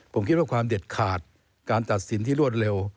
ผมคิดว่าความเด็ดขาดการตัดสินที่รวดเร็ว